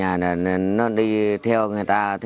con mẹ đi làm mà không biết cha mẹ